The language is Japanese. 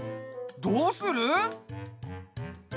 どうする？